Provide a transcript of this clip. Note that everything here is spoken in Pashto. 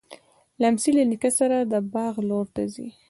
لمسی له نیکه سره د باغ لور ته ځي.